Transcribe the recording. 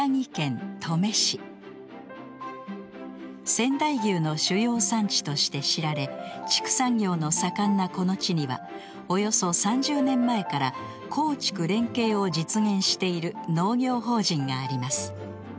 仙台牛の主要産地として知られ畜産業の盛んなこの地にはおよそ３０年前から耕畜連携を実現している農業法人があります。